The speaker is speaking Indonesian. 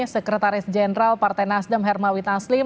sekretaris jenderal partai nasdem hermawit naslim